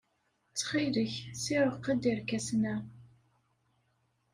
Ttxil-k, ssirreq-d irkasen-a.